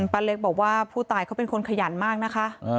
เล็กบอกว่าผู้ตายเขาเป็นคนขยันมากนะคะ